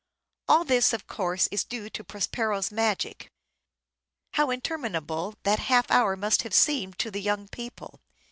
All this, of course, is due to Prospero's magic. How interminable that half hour must have seemed to the young people